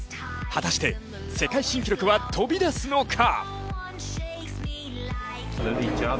果たして世界新記録は飛び出すのか？